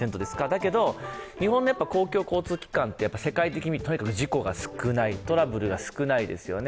だけど、日本の公共交通機関って世界的にとにかく事故が少ないトラブルが少ないですよね。